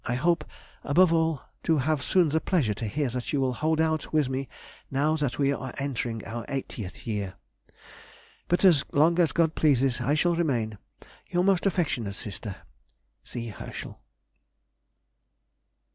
I hope, above all, to have soon the pleasure to hear that you will hold out with me now that we are entering on our eightieth year. But as long as God pleases I shall remain Your most affectionate sister, C. HERSCHEL.